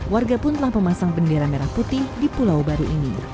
warga pun telah memasang bendera merah putih di pulau baru ini